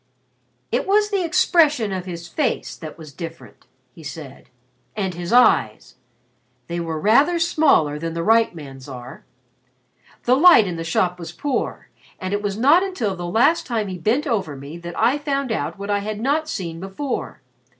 "It was the expression of his face that was different," he said. "And his eyes. They are rather smaller than the right man's are. The light in the shop was poor, and it was not until the last time he bent over me that I found out what I had not seen before.